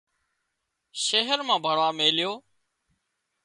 شهر مان ڀڻوا ميليو